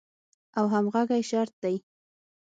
او همغږۍ شرط دی.